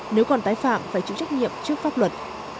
nếu còn tái phạm phải chịu trách nhiệm trước pháp luật